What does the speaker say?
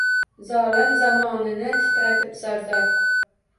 Zolim zamonini titratib zor-zor.